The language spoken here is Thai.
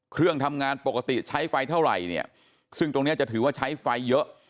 เครื่องทำงานปกติใช้ไฟเท่าไหร่เนี่ยซึ่งตรงเนี้ยจะถือว่าใช้ไฟเยอะ